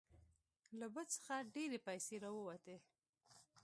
له بت څخه ډیرې پیسې راوتې.